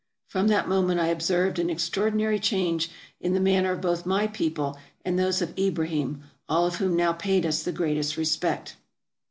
From that moment I observed an extraordinary change in the manner of both my people and those of Ibrahim, all of whom now paid us the greatest respect.